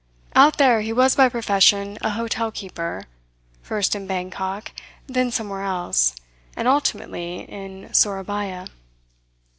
Out there he was by profession a hotel keeper, first in Bangkok, then somewhere else, and ultimately in Sourabaya.